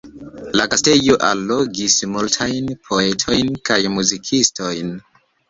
La gastejo allogis multajn poetojn kaj muzikistojn.